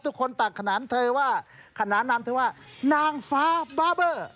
ตักขนานเธอว่าขนานนามเธอว่านางฟ้าบาเบอร์